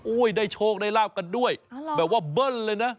ได้โชคได้ลาบกันด้วยแบบว่าเบิ้ลเลยนะ